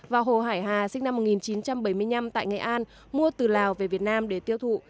và hồ hải hà sinh năm một nghìn chín trăm bảy mươi năm tại nghệ an mua từ lào về việt nam để tiêu thụ